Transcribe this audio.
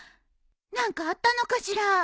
何かあったのかしら？